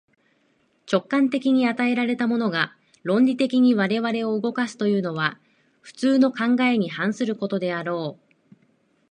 直観的に与えられたものが、論理的に我々を動かすというのは、普通の考えに反することであろう。